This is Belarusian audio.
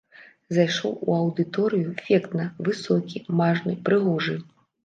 Зайшоў у аўдыторыю эфектна, высокі, мажны, прыгожы.